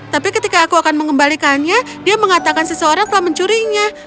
tapi ketika aku akan mengembalikannya dia mengatakan seseorang telah mencurinya